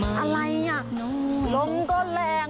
เฮ้ยอะไรอ่ะลมก็แรง